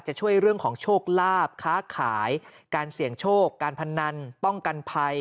จะช่วยเรื่องของโชคลาภค้าขายการเสี่ยงโชคการพนันป้องกันภัย